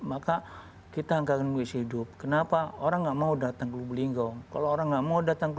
maka kita akan menghabiskan hidup kenapa orang enggak mau datang ke wulinggo orang nggak mau datang ke